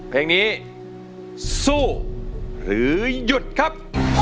เพลงนี้สู้หรือหยุดครับ